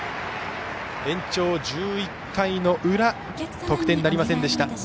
延長１１回の裏得点なりませんでした